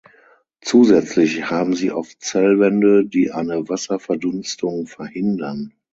Zusätzlich haben sie oft Zellwände, die eine Wasserverdunstung verhindern.